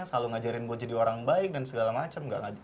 selalu ngajarin buat jadi orang baik dan segala macam